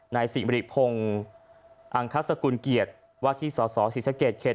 ในสิ่งบริพงศ์อังคัตสกุลเกียรติวาทิศสสศรีสะเกต